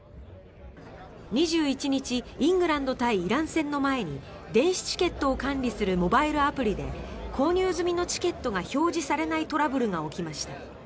２１日イングランド対イラン戦の前に電子チケットを管理するモバイルアプリで購入済みのチケットが表示されないトラブルが起きました。